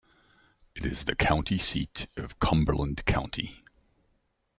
It is the county seat of Cumberland County.